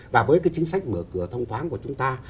và với cái chính sách mở cửa thông thoáng của chúng ta